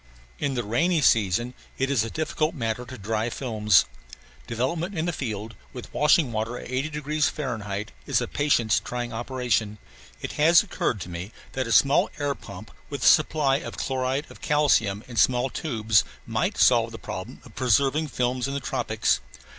In the rainy season it is a difficult matter to dry films. Development in the field, with washing water at 80 degrees F., is a patience trying operation. It has occurred to me that a small air pump with a supply of chloride of calcium in small tubes might solve the problem of preserving films in the tropics.